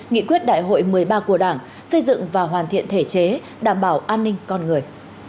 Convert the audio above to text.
nghị quyết đại hội một mươi ba của đảng xây dựng và hoàn thiện thể chế đảm bảo an ninh con người